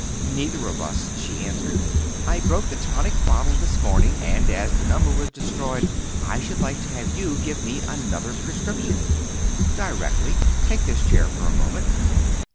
"Neither of us," she answered; "I broke the tonic bottle this morning, and as the number was destroyed, I should like to have you give me another prescription." "Directly. Take this chair for a moment."